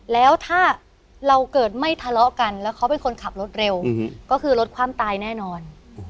แล้วถ้าเราเกิดไม่ทะเลาะกันแล้วเขาเป็นคนขับรถเร็วก็คือลดความตายแน่นอน